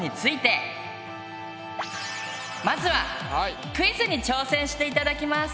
まずはクイズに挑戦して頂きます！